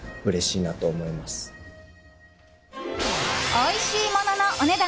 おいしいもののお値段